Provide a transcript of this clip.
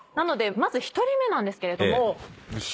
まず１人目なんですけれども。